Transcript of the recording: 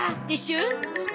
でしょ？